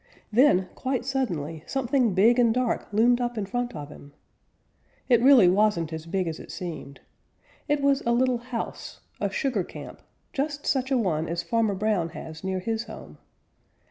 Then quite suddenly something big and dark loomed up in front of him. It really wasn't as big as it seemed. It was a little house, a sugar camp, just such a one as Farmer Brown has near his home.